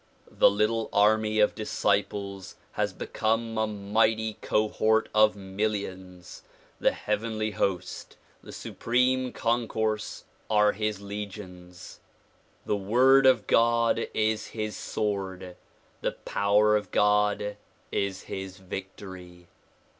The little army of disciples has become a mighty cohort of millions. The Heavenly Host, the Supreme Concourse are his legions, the Word of God is his sword, the power of God is his victory.